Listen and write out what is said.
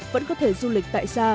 vẫn có thể du lịch tại xa